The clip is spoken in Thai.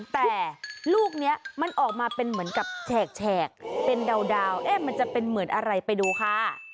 แต่ลูกนี้มันออกมาเป็นเหมือนกับแฉกเป็นดาวมันจะเป็นเหมือนอะไรไปดูค่ะ